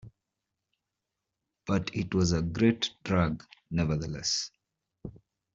But it was a great drag, nevertheless.